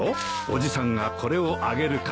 おじさんがこれをあげるから。